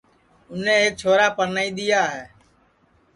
اُنے ایک چھورا پرنائی دؔیا ہے